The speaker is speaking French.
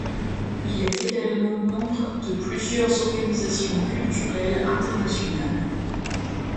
Il est également membre de plusieurs organisations culturelles internationales.